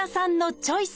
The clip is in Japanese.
チョイス！